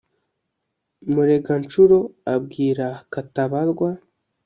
Mureganshuro abwira Katabarwa